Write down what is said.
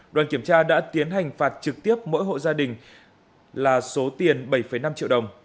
đoàn kiểm tra đã tiến hành phạt trực tiếp mỗi hộ gia đình là số tiền bảy năm triệu đồng